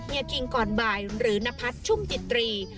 เฮียกิงก่อนบ่ายหรือนพัทชุ่มจิตรี